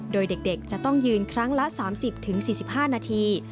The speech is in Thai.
โดยเด็กจะต้องยืนครั้งละ๓๐๔๕นาที